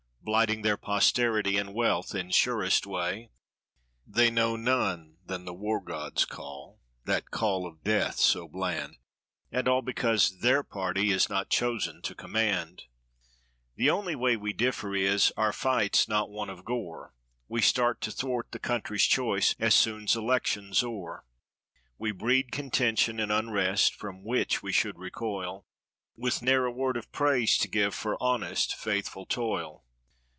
Blighting their posterity and wealth in surest way. They know none than the war god's call—that call of Death so bland— And all because their party is not chosen to command. The only way we differ is, our fight's not one of gore; We start to thwart the country's choice as soon's election's o'er. We breed contention and unrest (from which we should recoil), 208 With ne'er a word of praise to give for honest faithful toil.